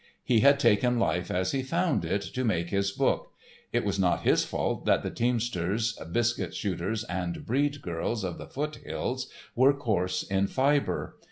He had taken life as he found it to make his book; it was not his fault that the teamsters, biscuit shooters and "breed" girls of the foothills were coarse in fibre.